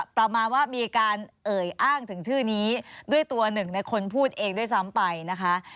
ประมาณว่ามีการเอ่ยอ้างถึงชื่อนี้ด้วยตัวหนึ่งในคนพูดเองด้วยซ้ำไปนะคะ